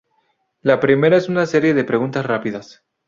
La primera es una serie de preguntas rápidas.